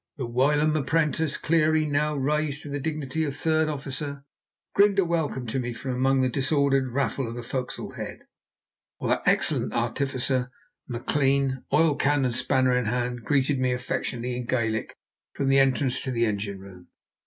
The whilom apprentice, Cleary, now raised to the dignity of third officer, grinned a welcome to me from among the disordered raffle of the fo'c's'le head, while that excellent artificer, Maclean, oil can and spanner in hand, greeted me affectionately in Gaelic from the entrance to the engine room.